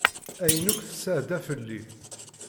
Ayen akk tesɛedda fell-i.